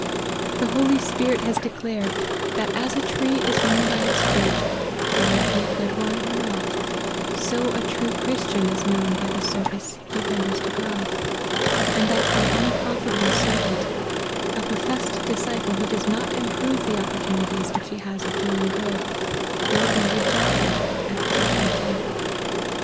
The Holy Spirit has declared, that as a tree is known by its fruits, whether it be a good one or not, so a true Christian is known by the service he renders to God : and that an unprofitable servant, a professed disciple who does not improve the opportunities which he has of doing good, will be rejected at the judgment day.